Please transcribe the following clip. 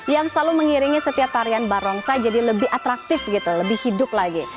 yang selalu mengiringi setiap tarian barongsai jadi lebih atraktif gitu lebih hidup lagi